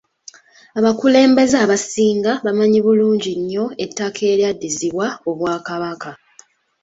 Abakulembeze abasinga bamanyi bulungi nnyo ettaka eryaddizibwa Obwakabaka.